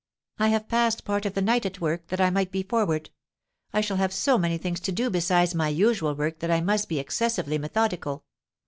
I have passed part of the night at work, that I might be forward. I shall have so many things to do besides my usual work that I must be excessively methodical.